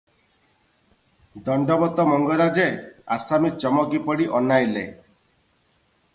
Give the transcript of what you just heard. ଦଣ୍ତବତ ମଙ୍ଗରାଜେ!' ଆସାମୀ ଚମକି ପଡ଼ି ଅନାଇଲେ ।